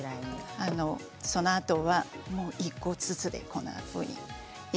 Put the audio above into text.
そのあとは１個ずつでこんなふうに。